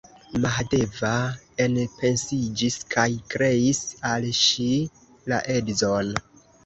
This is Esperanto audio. Mahadeva enpensiĝis kaj kreis al ŝi la edzon!